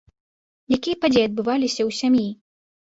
Якія падзеі адбываліся ў сям'і?